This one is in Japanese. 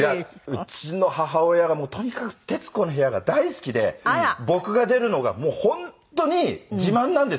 うちの母親がとにかく『徹子の部屋』が大好きで僕が出るのが本当に自慢なんですよ。